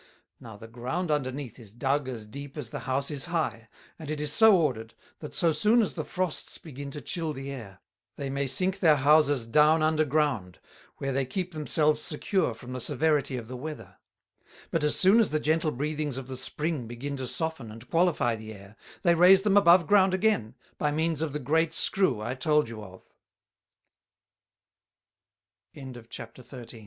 Now the Ground under neath is dugg as deep as the House is high; and it is so ordered, that so soon as the Frosts begin to chill the Air, they may sink their Houses down under Ground, where they keep themselves secure from the Severity of the Weather: But as soon as the gentle Breathings of the Spring begin to soften and qualifie the Air; they raise them above Ground again, by means of the great Skrew I told you